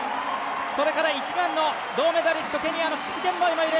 それから１番の銅メダリスト、ケニアのキプケンボイもいる。